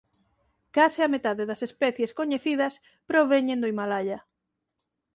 Case a metade das especies coñecidas proveñen do Himalaia.